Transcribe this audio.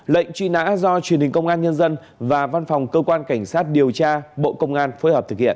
lệnh truy nã do truyền hình công an nhân dân và văn phòng cơ quan cảnh sát điều tra bộ công an phối hợp thực hiện